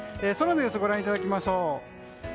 空の様子をご覧いただきましょう。